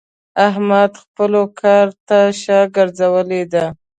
احمد خپلو کارو ته شا ګرځولې ده.